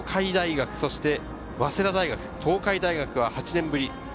東海大学、早稲田大学、東海大学は８年ぶり。